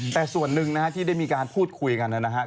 แต่ส่วนหนึ่งที่ได้มีการพูดคุยกันนะครับ